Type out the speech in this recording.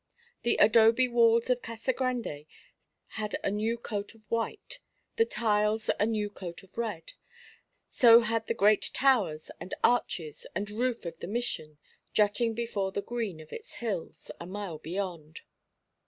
The adobe walls of Casa Grande had a new coat of white, the tiles a new coat of red; so had the great towers and arches and roof of the Mission, jutting before the green of its hills, a mile beyond.